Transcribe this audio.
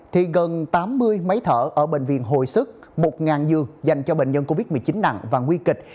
thì gần tám mươi máy thở ở bệnh viện hồi sức một giường dành cho bệnh nhân covid một mươi chín nặng và nguy kịch